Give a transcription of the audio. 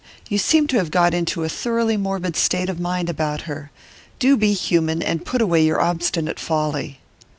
You seem to have got into a thoroughly morbid state of mind about her. Do be human, and put away your obstinate folly.